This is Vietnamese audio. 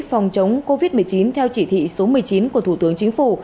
phòng chống covid một mươi chín theo chỉ thị số một mươi chín của thủ tướng chính phủ